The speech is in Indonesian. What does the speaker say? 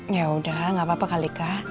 ya udah nggak apa apa kali kak